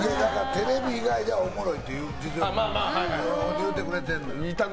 テレビ以外ではおもろいって言うてくれてるのよ。